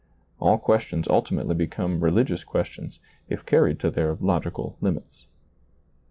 All questions ultimately become religious questions, if carried to their logical limits.